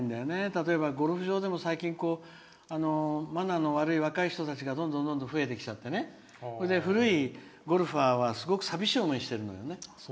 例えばゴルフ場でも最近マナーの悪い若い人たちがどんどん増えてきちゃって古いゴルファーはすごく寂しい思いしてるのよね。